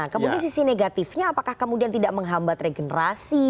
kemudian sisi negatifnya apakah kemudian tidak menghambat regenerasi